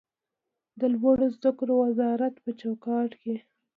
د لوړو زده کړو وزارت په چوکاټ کې